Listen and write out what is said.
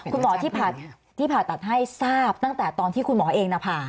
คุณหมอที่ผ่าตัดให้ทราบตั้งแต่ตอนที่คุณหมอเองนะผ่า